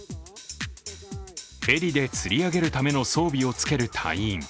ヘリでつり上げるための装備を着ける隊員。